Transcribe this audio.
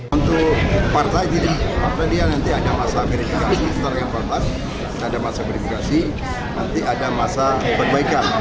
untuk partai ini partai dia nanti ada masa berimplikasi nanti ada masa berimplikasi nanti ada masa perbaikan